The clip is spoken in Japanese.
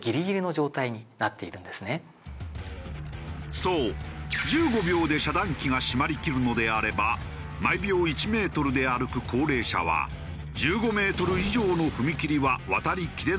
そう１５秒で遮断機が閉まりきるのであれば毎秒１メートルで歩く高齢者は１５メートル以上の踏切は渡りきれない計算となる。